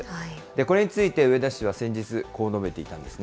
これについて植田氏は先日、こう述べていたんですね。